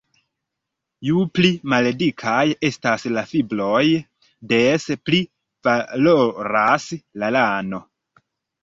Ju pli maldikaj estas la fibroj, des pli valoras la lano.